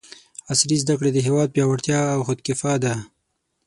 عصري زده کړې د هېواد پیاوړتیا او خودکفاء ده!